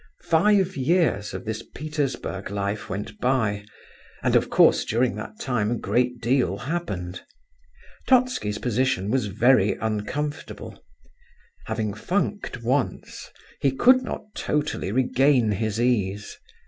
Five years of this Petersburg life went by, and, of course, during that time a great deal happened. Totski's position was very uncomfortable; having "funked" once, he could not totally regain his ease.